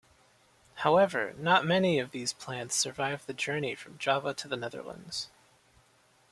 However, not many of these plants survived the journey from Java to the Netherlands.